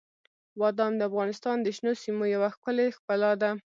بادام د افغانستان د شنو سیمو یوه ښکلې ښکلا ده.